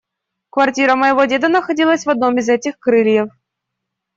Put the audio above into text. Квартира моего деда находилась в одном из этих крыльев.